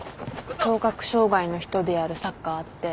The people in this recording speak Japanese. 聴覚障がいの人でやるサッカーあって。